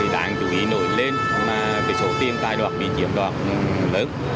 đáng chú ý nổi lên là số tiền tài đoạt bị chiếm đoạt lớn